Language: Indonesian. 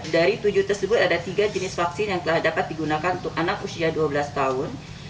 dari tujuh tersebut ada tiga jenis vaksin yang telah dapat digunakan untuk anak usia dua belas tahun